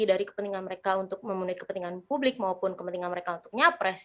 dari kepentingan mereka untuk memenuhi kepentingan publik maupun kepentingan mereka untuk nyapres